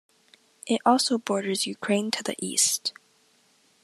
It also borders Ukraine to the east.